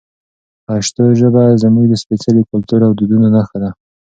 پښتو ژبه زموږ د سپېڅلي کلتور او دودونو نښه ده.